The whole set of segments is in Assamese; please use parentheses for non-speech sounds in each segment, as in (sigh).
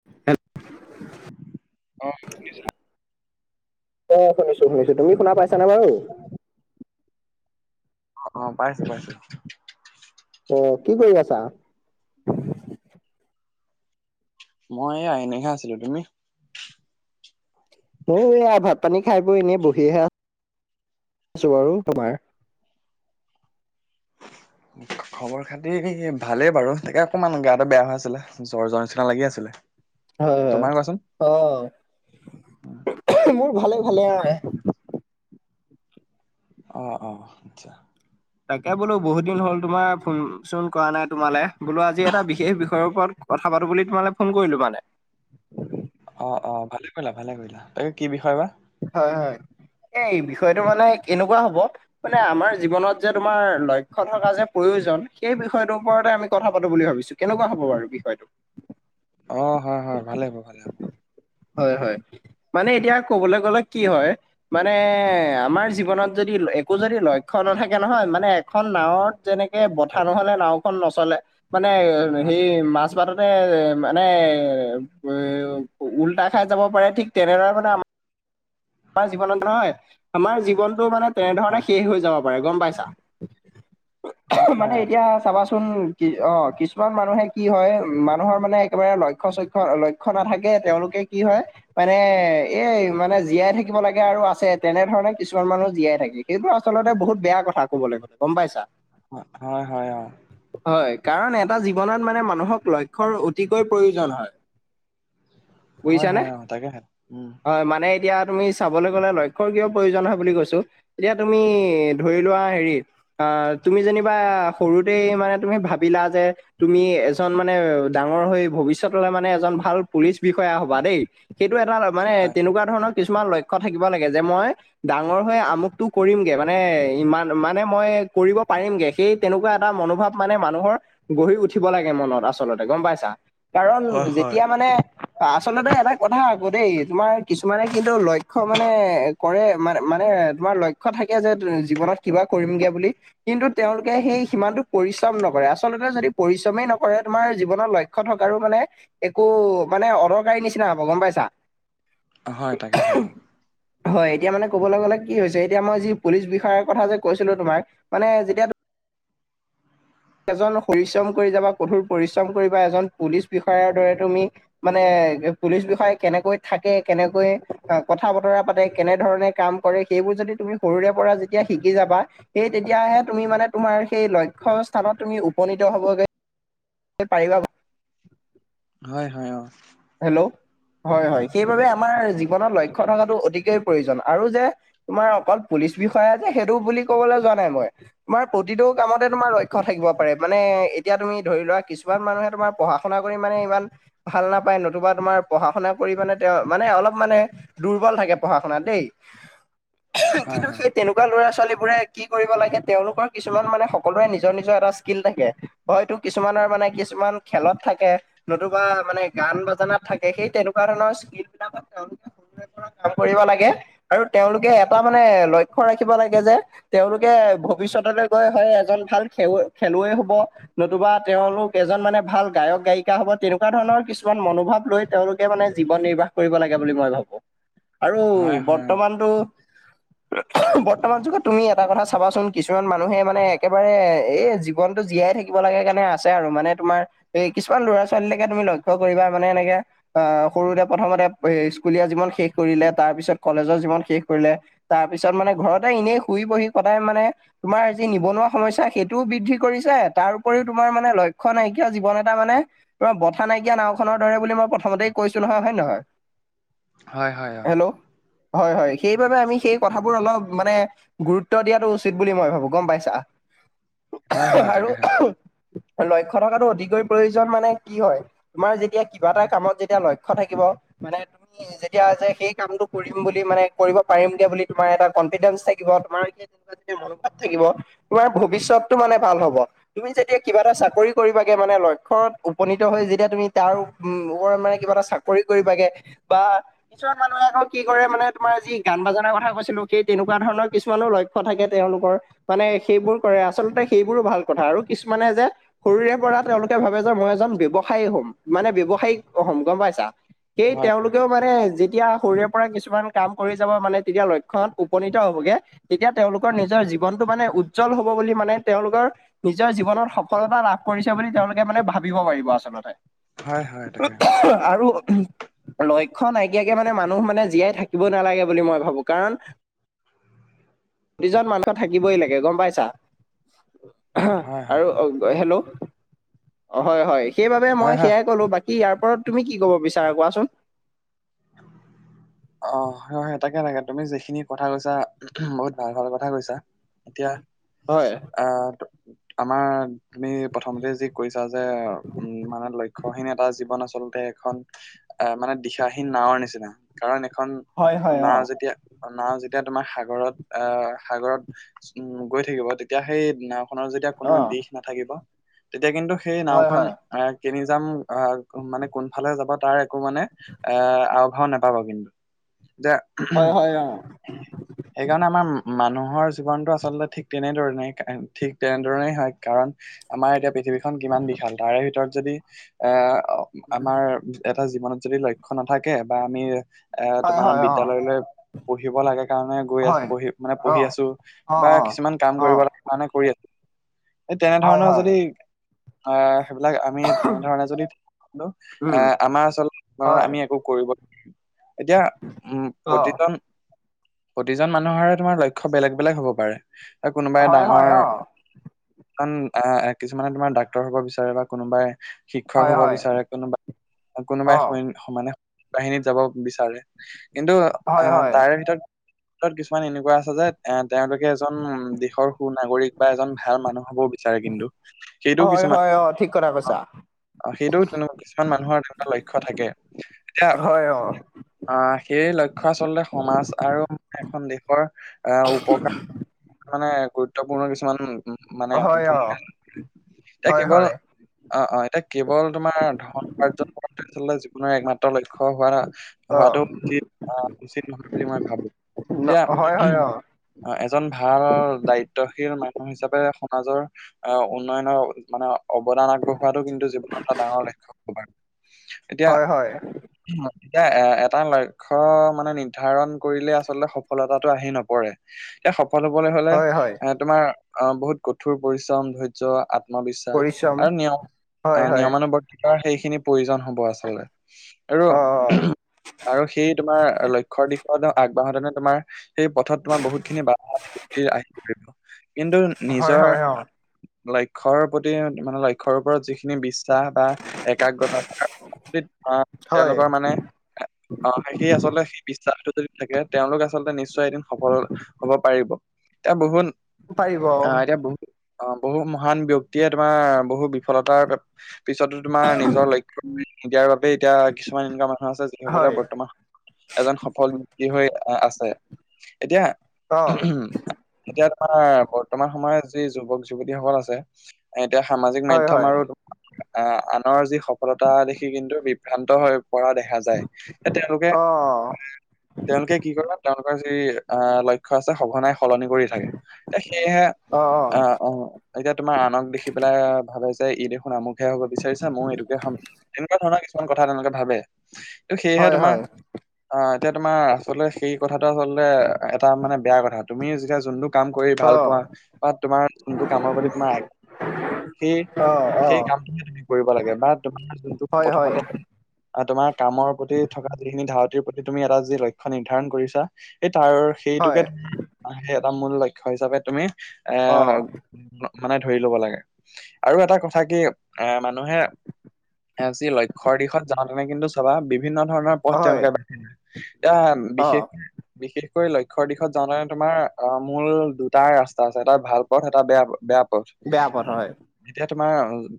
(unintelligible) হয় অঁ, শুনিছোঁ শুনিছোঁ। তুমি শুনা পাইছা নাই বাৰু? অঁ, অঁ পাইছো পাইছোঁ। অঁ কি কৰি আছা? মই এয়া এনেহে আছিলোঁ। তুমি? ময়ো এয়া ভাত -পানী খাই বৈ এনেই বহিহে আও আছো বাৰু তোমাৰ। খবৰ -খাতি ভালেই বাৰু, তাকে অকমান গাটো বেয়া হৈ আছিলে। জ্বৰ জ্বৰ নিচিনা লাগি আছিলে। হয় তোমাৰ কোৱাচোন হয়, অঁ মোৰ ভালে ভালে অঁ এয়াই। অঁ, অঁ আচ্ছা। তাকে বোলো বহুত দিন হ'ল তোমাৰ ফোন -চোন কৰা নাই তোমালে। বোলো আজি এটা বিশেষ বিষয়ৰ ওপৰত কথা পাতো বুলি তোমালে ফোন কৰিলো মানে। অঁ অঁ ভালে কৰিলা, ভালে কৰিলা। তাকে কি বিষয় বা? হয় হয়, এই বিষয়টো মানে কেনেকুৱা হ'ব? মানে আমাৰ জীৱনত যে তোমাৰ লক্ষ্য থকা যে প্ৰয়োজন, সেই বিষয়টোৰ ওপৰতে আমি কথা পাতো বুলি ভাবিছোঁ। কেনেকুৱা হ'ব বাৰু বিষয়টো? অঁ হয় হয়, ভালে হ'ব, ভালে হ'ব। হয় হয়, মানে এতিয়া ক'বলে গ'লে কি হয়? মানে আমাৰ জীৱনত যদি একো যদি লক্ষ্য নাথাকে নহয়, মানে এখন নাঁৱত- যেনেকে বঠা নহলে নাওঁখন নচলে, - মানে সেই মাজবাটতে এ মানে ৱে- উ উল্টা ঠাইত যাব পাৰে, ঠিক তেনেদৰে মানে আম- আমাৰ জীৱনত নহয়, আমাৰ জীৱনটো মানে তেনেধৰণে হয় শেষ হৈ যাব। পাৰে গম পাইছা? হয় হয় মানে এতিয়া- চাবাচোন কি অঁ কিছুমান মানুহে কি হয়, মানুহৰ মানে একেবাৰে লক্ষ্য- চক্ষ লক্ষ- ক্ষ্য নাথাকে, তেওঁলোকে কি হয় মানে- এই মানে জীয়াই থাকিব লাগে আৰু আছে। তেনেধৰণে কিছুমান মানুহ জীয়াই থাকে, সেইটো আচলতে বহুত বেয়া কথা। ক'বলে গ'লে গম পাইছা? অঁ হয় হয়, অঁ। হয়, কাৰণ এটা জীৱনত মানে মানুহক লক্ষ্যৰ অতিকৈ প্ৰয়োজন হয়। (inaudible) হয় হয় অঁ, তাকেহে, উম। হয়, মানে এতিয়া তুমি চাবলৈ গ'লে লক্ষ্য কিয় প্ৰয়োজন হয় বুলি কৈছোঁ? এতিয়া তুমি ধৰিলোৱা হেৰিত- আহ তুমি যেনিবা সৰুতেই মানে তুমি ভাবিলা যে- তুমি এজন মানে ডাঙৰ হৈ ভৱিষ্যতলে মানে এজন ভাল পুলিচ বিষয়া হবা দেই। সেইটো এটা মানে হয়। তেনেকুৱা ধৰণৰ কিছুমান লক্ষ্য থাকিব লাগে যে, মই- ডাঙৰ হৈ আমুকটো কৰিমগে মানে ইমান মানে মই কৰিব পাৰিমগে। সেই- তেনেকুৱা এটা মনোভাৱ মানে মানুহৰ গঢ়ি উঠিব লাগে মনত আচলতে, গম পাইছা? কাৰণ, হয় হয় যেতিয়া মানে আচলতে এটা কথা আকৌ দেই তোমাৰ- কিছুমানে কিন্তু লক্ষ্য মানে কৰে মানে মানে তোমাৰ লক্ষ্য থাকে যে জীৱনত- কিবা কৰিমগে বুলি। কিন্তু তেওঁলোকে সেই সিমানটোক পৰিশ্ৰম নকৰে, আচলতে যদি পৰিশ্ৰমেই নকৰে তোমাৰ জীৱনৰ লই- ক্ষ থকাৰো মানে একো মানে অদৰকাৰী নিচিনা হ'ব, গম পাইছা? হয়, তাকেহে অঁ। হয়, এতিয়া মানে কবলৈ গলে কি হৈছে এতিয়া মই যি পুলিচ বিষয়াৰ কথা যে কৈছিলো তোমাক মানে যেতিয়া তু- এজন পৰিশ্ৰম কৰি যাবা কঠোৰ পৰিশ্ৰম কৰিবা এজন পুলিচ বিষয়াৰ দৰে তুমি- মানে পুলিচ বিষয়া কেনেকৈ থাকে, কেনেকৈ কথা বতৰা পাতে, কেনেধৰণে কাম- কৰে, সেইবোৰ যদি তুমি সৰুৰে পৰা যেতিয়া শিকি যাবা- সেই তেতিয়াহে তুমি মানে তোমাৰ সেই লক্ষ্য স্থানত তুমি উপনীত হ'বগে- এ পাৰিবা ব- হয় হয় অঁ। হেল্লৌ' হয় হয়, সেইবাবে আমাৰ জীৱনত লক্ষ্য থকাটো অতিকৈ প্ৰয়োজন আৰু যে- তোমাৰ অকল পুলিচ বিষয়া যে সেইটো বুলি কবলৈ যোৱা নাই মই, - তোমাৰ প্ৰতিটো কামতে তোমাৰ লক্ষ্য থাকিব পাৰে, মানে এতিয়া তুমি ধৰি লোৱা কিছুমান মানুহে তোমাৰ পঢ়া- শুনা কৰি মানে ইমান ভাল নাপায় নতুবা তোমাৰ পঢ়া - শুনা কৰি মানে তেওঁ মানে অলপ মানে- দুৰ্বল থাকে পঢ়া-শুনাত দেই, হয় কিন্তু হয় সেই তেনে- কোৱা ল'ৰা - ছোৱালীবোৰে কি কৰিব লাগে, তেওঁলোকৰ কিছুমান মানে সকলোৰে নিজৰ নিজৰ এটা স্কিল থাকে। হয়তো কিছুমানৰ মানে কিছুমান খেলত থাকে নতুবা মানে গান বাজানাত থাকে সেই তেনেকুৱা ধৰণৰ স্কিলবিলাকত তেওঁলোকে সৰুৰে পৰা কাম কৰিব লাগে। আৰু তেওঁলোকে এটা মানে লক্ষ্য ৰাখিব লাগে যে তেওঁলোকে ভৱিষ্যতলৈ গৈ হয় এজন ভাল খেলুৱৈ খেলুৱৈ হব। নতুবা তেওঁলোক এজন মানে ভাল গায়ক- গায়িকা হব তেনেকুৱা ধৰণৰ কিছু মান মনোভাৱ লৈ তেওঁলোকে মানে জীৱন নিৰ্বাহ কৰিব লাগে বুলি মই ভাবো। আৰু হয় হয় অ', বৰ্তমানটো অ উহু বৰ্তমান যুগে তুমি এটা কথা চাবাচোন, কিছুমান মানুহে মানে একেবাৰে এই জীৱনটো জীয়াই থাকিব লগা কাৰণে আছে আৰু মানে তোমাৰ এই কিছুমান ল'ৰা ছোৱালীলৈকে তুমি লক্ষ্য কৰিবা মানে এনেকে আহ সৰুতে প্ৰথমতে এ স্কুলীয়া জীৱন শেষ কৰিলে তাৰপিছত কলেজৰ জীৱন শেষ কৰিলে। তাৰপিছত মানে ঘৰতে এনেই শুই বহি কটাই মানে তোমাৰ যি নিবনুৱা সমস্যা সেইটোও বৃদ্ধি কৰিছে তাৰ উপৰিও তোমাৰ মানে লক্ষ্য নাইকিয়া জীৱন এটা মানে কিবা বথা নাই কিয়া নাওখনৰ দৰে বুলি মই প্ৰথমতে কৈছো নহয় হয় নে নহয়? হয় হয় অ', হেল্ল'! হয় হয় সেইবাবে আমি সেই কথাবোৰ অলপ মানে গুৰুত্ব দিয়াটো উচিত বুলি মই ভাবো গম পাইছা? হয় অহ হয় আৰু তাকেহে উহুম লক্ষ্য থকাটো অতিকৈ প্ৰয়োজন মানে কি হয়? তোমাৰ যেতিয়া কিবা এটা কামত যেতিয়া লক্ষ্য থাকিব মানে ত যেতিয়া যে সেই কামটো কৰিম বুলি মানে কৰিব পাৰিমগে বুলি তোমাৰ এটা কনফিডেন্স থাকিব, তোমাৰ সেই তেনেকুৱা যদি মনোভাৱ থাকিব, তোমাৰ ভৱিষ্যতটো মানে ভাল হব। তুমি যেতিয়া কিবা এটা চাকৰি কৰিবাগে মানে লক্ষ্যত উপনীত হৈ যেতিয়া তুমি তাৰ উ উম ওপৰত মানে কিবা এটা চাকৰি কৰিব লাগে বা কিছুমান মানুহে আকৌ কি কৰে মানে তোমাৰ যি গান বাজানাৰ কথা কৈছিলো সেই তেনেকুৱা ধৰণৰ কিছুমানো লই ক্ষ্য থাকে তেওঁলোকৰ মানে সেইবোৰ কৰে আচলতে সেইবোৰো ভাল কথা আৰু কিছুমানে যে সৰুৰে পৰা তেওঁলোকে ভাবে যে মই এজন ব্যৱসায়ী হম। মানে ব্যৱসায়িক সম গম পাইছা? সেই হয় হয় তেওঁলোকেও মান মানে যেতিয়া সৰুৰে পৰা কিছুমান কাম কৰি যাব মানে তেতিয়া লক্ষ্যত উপনীত হ'বগে। তেতিয়া তেওঁলোকৰ নিজৰ জীৱনটো মানে উজ্জ্বল হব বুলি মানে তেওঁলোকৰ - নিজৰ জীৱনত সফলতা লাভ কৰিছে বুলি তেওঁলোকে মানে ভাবিব পাৰিব আচলতে। হয় হয় তাকে আৰু, লক্ষ্য নাইকিয়াকে মানে মানুহ মানে জীয়াই থাকিব নালাগে বুলি মই ভাবো কাৰণ - প্ৰতিজন মানুহৰ থাকিবই লাগে গম পাইছা। হয় হয় আৰু হেল্লো', হয় হয় সেইবাবে হয় মই - হয় কলো, বাকী ইয়াৰ ওপৰত তুমি কি ক'ব বিচাৰা কোৱাচোন। (inaudible) অ হয় হয় তাকে তাকে তুমি যিখিনি কথা কৈছা বহুত ভাল ভাল কথা কৈছা। এতিয়া, হয়, আহ ত- আমাৰ তুমি প্ৰথমতে যি কৈছা যে উম মানে লক্ষ্যহীন এটা জীৱন আচলতে - এখন এ মানে দিশাহীন নাওৰ নিচিনা কাৰণ এখন হয় হয় অ নাও যেতিয়া - নাও যেতিয়া তোমাৰ সাগৰত আহ সাগৰত উ গৈ থাকিব তেতিয়া সেই নাও - খনৰ যেতিয়া কোনো অ দিশ নাথাকিব তেতিয়া কিন্তু সেই হয় নাওখন হয় আহ - কেনি যাম আহ মানে কোনফালে যাব তাৰ একো মানে - এ আও ভাও নাপাব কিন্তু, যে হয় হয় (unintelligible) সেইকাৰণে আমাৰ মানুহৰ জীৱনটো আচলতে ঠিক তেনেধৰণেই ঠিক তেনেধৰণেই হয়। কাৰণ আমাৰ এতিয়া পৃথিৱীখন কিমান বিশাল তাৰে ভিতৰত যদি এ আমাৰ এটা জীৱনত যদি লক্ষ্য নাথাকে বা আমি এ হয় তোমাৰ হয় অ বিদ্যালয়লৈ পঢ়িব লাগে। কাৰণ মানে গৈ আছো হয় পঢ়ি মানে অ পঢ়ি আছো অ বা অ কিছুমান কাম অ কৰিব কাৰণে কৰি আ এই হয় তেনেধৰণৰ হয় যদি আহ' সেইবিলাক আমি তেনেধৰণে যদি এ উম আমাৰ আচল হয় আমি একো কৰিব এতিয়া উম অ প্ৰতিজন প্ৰতিজন মানুহৰে তোমাৰ লক্ষ্য বেলেগ বেলেগ হ'ব পাৰে। এ কোনোবাই হয় হয় ডাঙৰ অ এজন কিছুমানে তোমাৰ ডাক্তৰ হব বিচাৰে বা কোনোবাই শিক্ষক হয় হব হয় বিচাৰে, কোনোবাই অ কোনোবাই সৈ মানে সেনাবাহিনীত যাব বিচাৰে। কিন্তু হয় অ' হয় তাৰে ভিতৰত ভিতৰত কিছুমান এনেকুৱা আছে যে এ তেওঁলোকে এজন দেশৰ সুনাগৰিক বা এজন ভাল মানুহ হ'বও বিচাৰে কিন্তু। সেইটোও হয় কিছুমান হয় অ ঠিক কথা অ' কৈছা অ' সেইটোও তেনেকুৱা কিছুমান মানুহৰ তেনেকুৱা লক্ষ্য থাকে। হয় অ'! অ' সেই লক্ষ্য আচলতে সমাজ আৰু এখন দেশৰ আহ' উপকাৰ মানে গুৰুত্বপূৰ্ণ কিছুমান উম, মানে হয় অ ভূমিকা (unintelligible) হয় হয় অ' অ' এতিয়া কেৱল তোমাৰ ধন উপাৰ্জন কৰাটো আচলতে জীৱনৰ একমাত্ৰ লক্ষ্য হোৱা অ হোৱাটো উচিত, আহ' উচিত নহয় বুলি মই ভাবো। ন এতিয়া হয় হয় অ অ' এজন ভাল দায়িত্বশীল মানুহ হিচাপে সমাজৰ আহ' উন্নয়নৰ মানে অৱদান আগবঢ়োৱাটো কিন্তু জীৱনত এটা ডাঙৰ লক্ষ্য। (unintelligible) হয় হয়। এতিয়া এ এটা লক্ষ্য মানে নিৰ্ধাৰণ কৰিলে আচলতে সফলতাটো আহি নপৰে। এতিয়া সফল হবলৈ হলে হয় হয় এ তোমাৰ আহ' বহুত কঠোৰ পৰিশ্ৰম ধৈৰ্য্য আ আত্মবিশ্বাস পৰিশ্ৰম আৰু নিয়ম হয় হয় নিয়মানুবৰ্তিতা সেইখিনি প্ৰয়োজন হ'ব আচলতে। আৰু অ অ আৰু সেই তোমাৰ লক্ষ্যৰ দিশত আগবাঢ়োতেনে তোমাৰ সেই পথত তোমাৰ বহুতখিনি বাধা আহি পৰিব কিন্তু হয় নিজৰ হয় অ লক্ষ্যৰ প্ৰতি মানে লক্ষ্যৰ ওপৰত যিখিনি বিশ্বাস বা একাগ্ৰতা থকা। হয় তেওঁলোকৰ মানে অ' সেই আচলতে সেই বিশ্বাসটো যদি থাকে তেওঁলোক আচলতে নিশ্চয় এদিন সফল হ'ব পাৰিব এতিয়া বহুত অ' এতিয়া বহু অ' বহু মহান ব্যক্তিয়ে তোমাৰ বহু বিফলতাৰ পিছতটো তোমাৰ নিজৰ লক্ষ্য নিদিয়াৰ বাবে এতিয়া কিছুমান এনেকুৱা মানুহ আছে যিসকলে হয় বৰ্তমান এজন সফল ব্যক্তি হৈ আহ' আছে এতিয়া অ এতিয়া তোমাৰ বৰ্তমান সময়ত যি যুৱক-যুৱতীসকল আছে। এতিয়া সামাজিক হয় মাধ্যম হয় আৰু আহ' আনৰ যি সফলতা দে কিন্তু বিভ্ৰান্ত হৈ পৰা দেখা যায়। যে তেওঁলোকে অ উম, তেওঁলোকে কি কৰে তেওঁলোকৰ যি আহ' লক্ষ্য আছে সঘনাই সলনি কৰি থাকে, এতিয়া সেয়েহে অ অ আহ'! অ' এতিয়া তোমাৰ আনক দেখি পেলাই ভাবে যে ই দেখোন আমুকহে হব বিচাৰিছে মইয়ো এইটোকে হম। এনেকুৱা ধৰণৰ কিছুমান কথা তেওঁলোকে ভাবে। ত' সেয়েহে হয় তোমাৰ হয় অ' এতিয়া তোমাৰ আচলতে সেই কথাটো আচলতে এটা মানে বেয়া কথা তুমি যেতিয়া যোনটো কাম কৰি অ ভাল পোৱা বা তোমাৰ কোনটো কামৰ প্ৰতি তোমাৰ সেই অ অ সেই কামটোহে তুমি কৰিব লাগে বা তোমাৰ যোন হয় হয় আৰু তোমাৰ কামৰ প্ৰতি থকা যিখিনি ধাৰ তিৰ প্ৰতি তুমি এটা যি লক্ষ্য নিৰ্ধাৰণ কৰিছা এই তাৰ হয় সেইটোকে তুমি সেই এটা মূল লক্ষ্য হিচাপে তুমি এ অ মা মানে ধৰি লব লাগে আৰু এটা কথা কি এ মানুহে যি লক্ষ্যৰ দিশত যাওঁ তুমি কিন্তু অথবা বিভিন্ন ধৰণৰ পথ হয় তেওঁলোকে বাচি এতিয়া অ বিশেষকে বিশেষকৈ লক্ষ্যৰ দিশত জানাই তোমাৰ অ মূল দুটাই ৰাস্তা আছে এটা ভাল পথ এটা বেয়া বেয়া পথ বেয়া পথ হয় এতিয়া তোমাৰ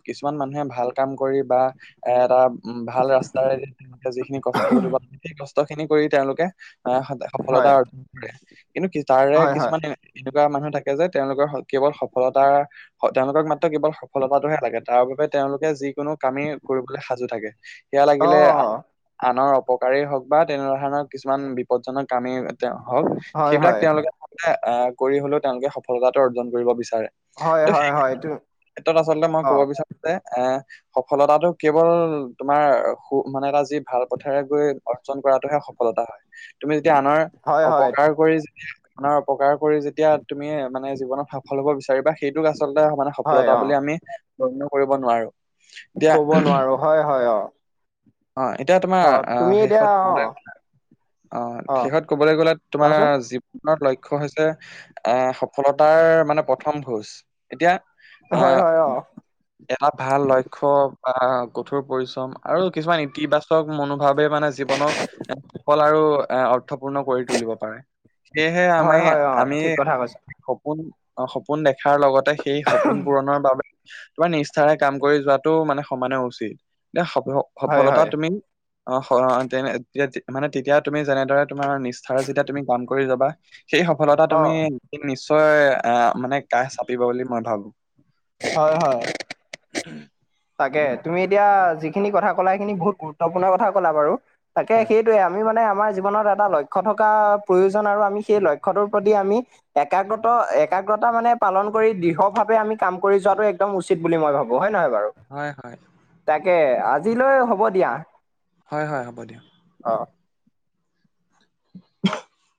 কিছুমান মানুহে ভাল কাম কৰি বা এ এটা উম ভাল ৰাস্তাৰে তেওঁলোকে যিখিনি কষ্ট কৰিব লাগে সেই কষ্ট খিনি কৰি তেওঁলোকে এ সফলতা হয় অৰ্জন কৰে কিন্তু তাৰে হয় হয় কিছুমানে এনেকোৱা মানুহ থাকে যে তেওঁলোকৰ কেৱল সফলতাৰ তেওঁলোকক মাত্ৰ কেৱল সফলতাটোহে লাগে তাৰ বাবে তেওঁলোকে যিকোনো কামেই কৰিবলৈ সাজু থাকে সেয়া অ লাগিলে আনৰ অপকাৰেই হওক বা তেনে ধৰণৰ কিছুমান বিপদজনক কামেই হওক হয় সেইবিলাক হয় তেওঁলোকে আহ কৰি হলেও তেওঁলোকে সফলতাটো অৰ্জন কৰিব বিচাৰে হয় ত হয় সেই হয় এইটো ক্ষেত্ৰত আচলতে মই অ কব বিচাৰো যে এ সফলতাটো কেৱল তোমাৰ সু মানে এটা যি ভাল পথেৰে গৈ অৰ্জন কৰাতোহে সফলতা হয় তুমি যেতিয়া আনৰ হয় হয় অপকাৰ কৰি যেতিয়া আনৰ অপকাৰ কৰি যেতিয়া তুমি মানে জীৱনত সফল হব বিচাৰিবা সেইটোক আচলতে মানে হয় সফলতা অ বুলি আমি গণ্য কৰিব নোৱাৰো এতিয়া ক'ব নোৱাৰো হয় হয় অ অ এতিয়া তোমাৰ অ তুমি এতিয়া শেষত অ কবলৈ গ'লে অ শেষত ক'বলৈ গ'লে তোমাৰ কোৱাচোন জী জীৱনৰ লক্ষ্য হৈছে এ সফলতাৰ মানে প্ৰথম খোজ এতিয়া হয় আহ হয় অ এটা ভাল লক্ষ্য বা কঠোৰ পৰিশ্ৰম আৰু কিছুমান ইতিবাচক মনোভাৱে মানে জীৱনক সফল আৰু এ অৰ্থপূৰ্ণ কৰি তুলিব পাৰে সেয়েহে আমি হয় হয় অ আমি ঠিক কথা কৈছা সপোন সপোন দেখাৰ লগতে সেই সপোন পূৰণৰ বাবে তোমাৰ নিষ্ঠাৰে কাম কৰি যোৱাতো মানে সমানে উচিত দে সেই হয় সফলতা হয় তুমি অ তে তে মানে তেতিয়া তুমি যেনেদৰে তোমাৰ নিষ্ঠাৰে যেতিয়া তুমি কাম কৰি যাবা সেই সফলতা অ তুমি নিশ্চয় আহ মানে কাষ চাপিব বুলি মই ভাবো হয় হয় উম তাকে তুমি এতিয়া যিখিনি কথা কলা সেইখিনি বহুত গুৰুত্বপূৰ্ণ কথা কলা বাৰু। তাকে এই হয় খিনিতো আমি মানে আমাৰ জীৱন। জীৱনত এটা লক্ষ্য থকা প্ৰয়োজন আৰু আমি সেই লক্ষ্যটোৰ প্ৰতি আমি। একাগ্ৰত একাগ্ৰতা মানে পালন কৰি দৃঢ় ভাৱে আমি কাম কৰি যোৱাতটো একদম উচিত। উচিত বুলি মই ভাবো হয় নহয় বাৰু। হয়, হয়। তাকে আজিলৈ হ'ব দিয়া। হয়, হয়, হ'ব দিয়ক। অ। (unintelligible)